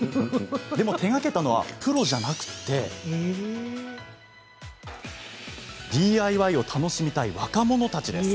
でも、手がけたのはプロではなくＤＩＹを楽しみたい若者たち。